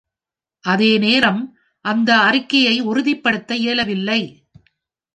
அதே நேரம், அந்த அறிக்கையை உறுதிப்படுத்த இயலவில்லை.